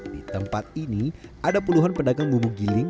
di tempat ini ada puluhan pedagang bumbu giling